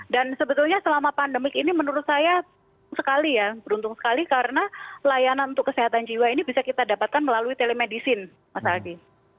dan sebetulnya selama pandemik ini menurut saya sekali ya beruntung sekali karena layanan untuk kesehatan jiwa ini bisa kita dapatkan melalui telemedicine mas haji